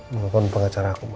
mau nelfon pengacara aku